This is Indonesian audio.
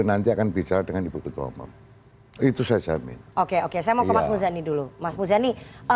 nanti akan bicara dengan ibu ketua umum itu saya jamin oke oke saya mau ke mas muzani dulu mas muzani